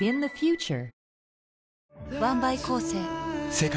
世界